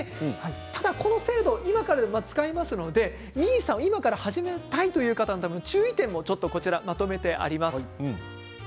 ただこの制度今からでも使えますのでＮＩＳＡを今から始めたいという方の注意点もまとめています。